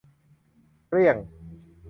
เกลี้ยง